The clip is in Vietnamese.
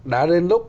đã đến lúc